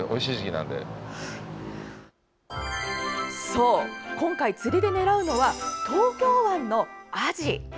そう、今回釣りで狙うのは東京湾のアジ。